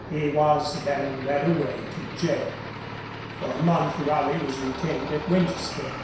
He was then led away to gaol. For a month Raleigh was retained at Winchester.